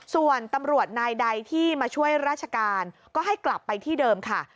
ส่วนตำรวจนายใดที่มาช่วยราชการก็ให้กลับไปที่เดิมค่ะ